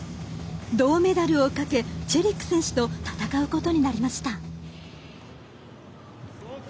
銅メダルを懸けチェリック選手と今、試合が始まりました。